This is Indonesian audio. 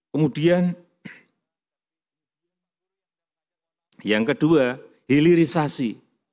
kemudian yang kedua hilirisasi